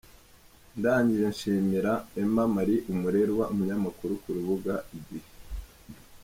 Ndangije nshimira Emma-Marie Umurerwa, umunyamakuru ku rubuga “igihe.